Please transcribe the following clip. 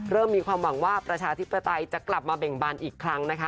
มีความหวังว่าประชาธิปไตยจะกลับมาเบ่งบานอีกครั้งนะคะ